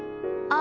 「あ」。